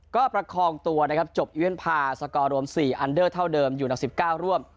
ก็ประคองตัวนะครับจบเยี่ยมพาสกอรม๔อันเดอร์เท่าเดิมอยู่ใน๑๙ร่วม